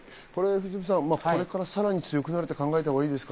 藤富さん、これからさらに強くなると考えたほうがいいですか？